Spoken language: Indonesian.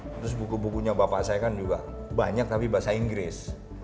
terus buku bukunya bapak saya kan juga banyak tapi bahasa inggris